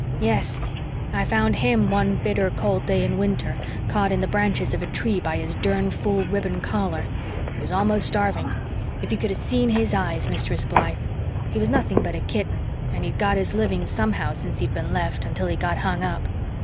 "Yes. I found HIM one bitter cold day in winter, caught in the branches of a tree by his durn fool ribbon collar. He was almost starving. If you could have seen his eyes, Mistress Blythe! He was nothing but a kitten, and he'd got his living somehow since he'd been left until he got hung up.